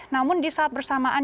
namun di saat bersamaan